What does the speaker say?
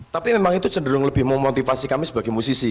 tapi memang itu cenderung lebih memotivasi kami sebagai musisi